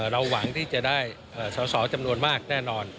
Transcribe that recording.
เราหวังที่จะได้สอสอจำนวนมากแน่นอน